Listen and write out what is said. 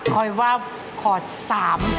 เอาไว้ว่าขอ๓